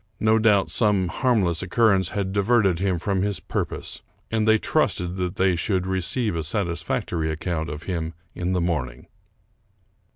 No doubt some harmless occurrence had diverted him from his purpose ; and they trusted that they should receive a satisfactory account of him in the morning.